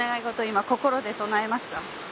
今心で唱えました。